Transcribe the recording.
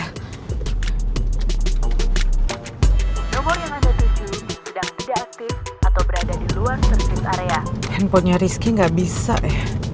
handphonenya rizky gak bisa ya